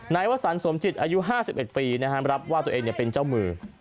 นายวสันสมจิตอายุ๕๑ปีรับว่าตัวเองเป็นเจ้ามือ